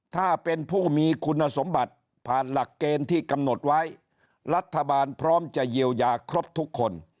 ถ้าเป็นผู้มีคุณสมบัติผ่านหลักเกณฑ์ที่กำหนดไว้รัฐบาลพร้อมจะเยียวยาครบทุกคน